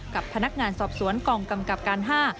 กับพนักงานสอบสวนกองกำกับการ๕